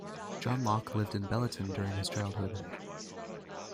John Locke lived in Belluton during his childhood.